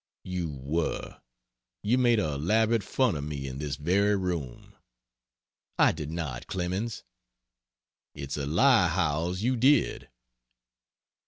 "You were. You made elaborate fun of me in this very room." "I did not, Clemens." "It's a lie, Howells, you did."